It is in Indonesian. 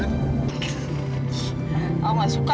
kamu gak suka